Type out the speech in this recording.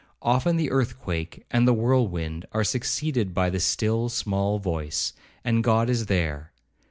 Often the earthquake and the whirlwind are succeeded by the still, small voice, and God is there.